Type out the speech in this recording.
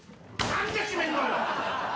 何で閉めんの？